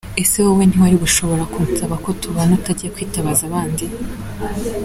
Ese wowe ntawari gushobora kunsaba ko tubana utagiye kwitabaza abandi?”.